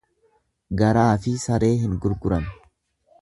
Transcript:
Garaafi saree hin gurguran.